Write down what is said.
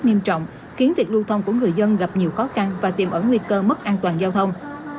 nghiêm trọng khiến việc lưu thông của người dân gặp nhiều khó khăn và tiềm ẩn nguy cơ mất an toàn giao thông